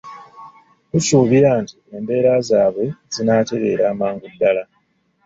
Tusuubira nti embeera zaabwe zinaaterera amangu ddala.